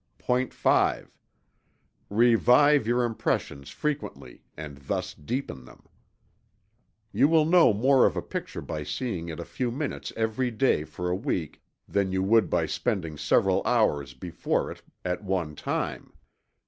POINT V. Revive your impressions frequently and thus deepen them. You will know more of a picture by seeing it a few minutes every day for a week, than you would by spending several hours before it at one time.